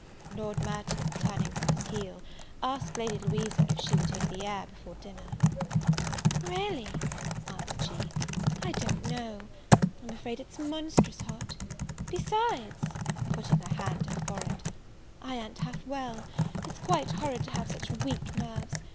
Lord Merton, turning upon his heel, asked Lady Louisa if she would take the air before dinner? "Really," answered she, "I don't know; I'm afraid it's monstrous hot; besides (putting her hand to her forehead) I an't half well; it's quite horrid to have such weak nerves!